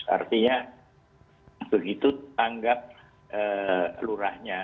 artinya begitu tanggap lurahnya